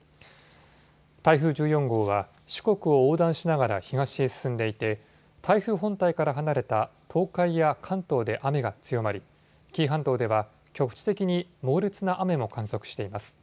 台風１４号は四国を横断しながら東へ進んでいて台風本体から離れた東海や関東で雨が強まり紀伊半島では局地的に猛烈な雨も観測しています。